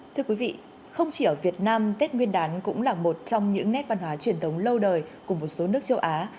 thưa quý vị không chỉ ở việt nam tết nguyên đán cũng là một trong những nét văn hóa truyền thống lâu đời của một số nước châu á